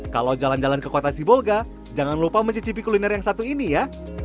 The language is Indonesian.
kalau jalan jalan ke kota sibolga jangan lupa mencicipi kuliner yang satu ini ya